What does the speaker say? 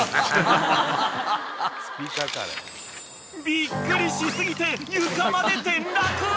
［びっくりし過ぎて床まで転落］